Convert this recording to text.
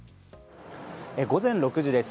午前６時です。